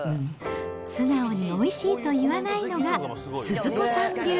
素直においしいと言わないのがスズ子さん流。